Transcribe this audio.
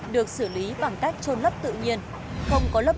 đồ dùng sinh hoạt